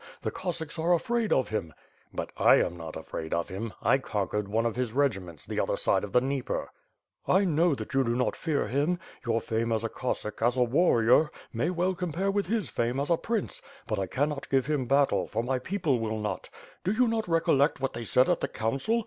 The Cossacks are afraid of him/* 470 ^^^B FIRE AND SWORD. "But I am not afraid of him — I conquered one of his regi ments, the other side of the Dnieper/^ ''1 know that you do not fear him. Your fame as a Cos sack, as a warrior, may well compare with his fame ds a prince; but I cannot give him battle, for my people will not. Do you not recollect what they said at the council?